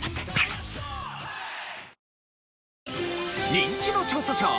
『ニンチド調査ショー』。